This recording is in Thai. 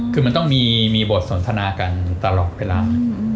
คือมันต้องมีบทสนทนากันตลอดเวลา